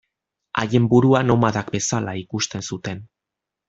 Haien burua nomadak bezala ikusten zuten.